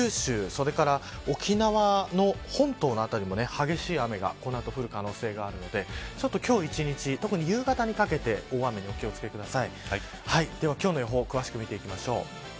それから沖縄の本島の辺りも激しい雨がこの後降る可能性があるので今日１日、特に夕方にかけて大雨にお気を付けくださいでは今日の予報を詳しく見ていきましょう。